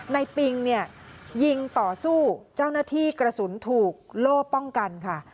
ปิงเนี่ยยิงต่อสู้เจ้าหน้าที่กระสุนถูกโล่ป้องกันค่ะ